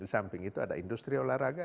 di samping itu ada industri olahraga